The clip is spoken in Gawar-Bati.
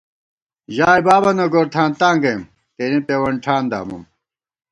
ژائے بابَنہ گورتھانتاں گَئیم، تېنے پېوَنٹھان دامُم